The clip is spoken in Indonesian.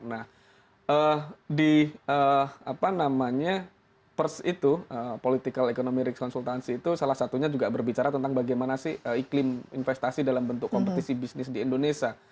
nah di apa namanya pers itu political economy rex consultancy itu salah satunya juga berbicara tentang bagaimana sih iklim investasi dalam bentuk kompetisi bisnis di indonesia